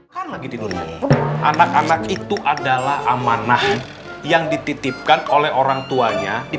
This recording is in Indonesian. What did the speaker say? sampai jumpa di video selanjutnya